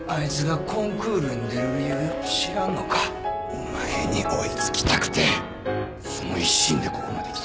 お前に追いつきたくてその一心でここまで来たんや。